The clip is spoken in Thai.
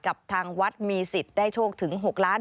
กับทางวัดมีสิทธิ์ได้โชคถึง๖ล้าน